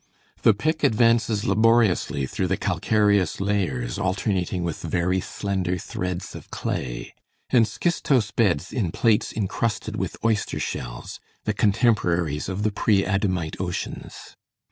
59 The pick advances laboriously through the calcareous layers alternating with very slender threads of clay, and schistose beds in plates incrusted with oyster shells, the contemporaries of the pre Adamite oceans.